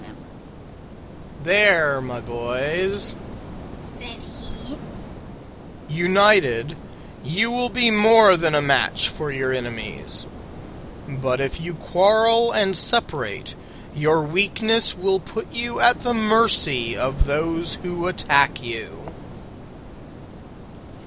"There, my boys," said he, "united you will be more than a match for your enemies: but if you quarrel and separate, your weakness will put you at the mercy of those who attack you."